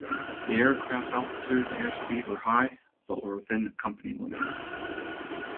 The aircraft's altitude and airspeed were high, but were within company limits.